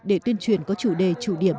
để tuyên truyền có chủ đề chủ điểm